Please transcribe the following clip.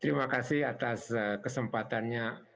terima kasih atas kesempatannya